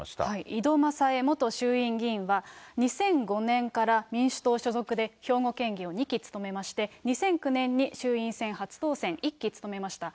井戸まさえ元衆院議員は、２００５年から民主党所属で兵庫県議を２期務めまして、２００９年に衆院選初当選、１期務めました。